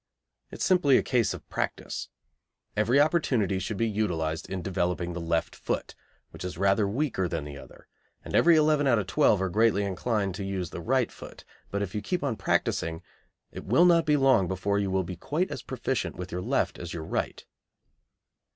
It is simply a case of practice. Every opportunity should be utilised in developing the left foot, which is rather weaker than the other, and every eleven out of twelve are greatly inclined to use the right foot, but if you keep on practising, it will not be long before you will be quite as proficient with your left as your right.